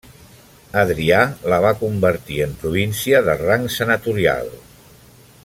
Adrià la va convertir en província de rang senatorial.